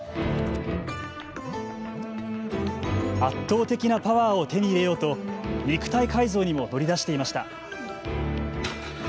圧倒的なパワーを手に入れようと肉体改造にも乗り出していました。